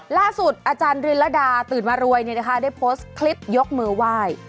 ล่าสุดอาจารย์ริราดาตื่นมารวยเนี่ยนะคะได้โพสต์คลิปยกมือว่าย